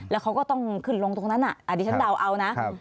แล้วเขาก็ต้องขึ้นลงตรงนั้นอันนี้ฉันเดาเอานะ